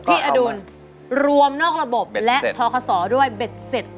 อดุลรวมนอกระบบและทคศด้วยเบ็ดเสร็จ